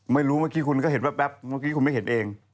เมื่อกี้คุณก็เห็นแว๊บเมื่อกี้คุณไม่เห็นเอง